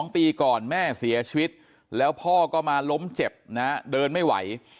๒ปีก่อนแม่เสียชีวิตแล้วพ่อก็มาล้มเจ็บนะเดินไม่ไหว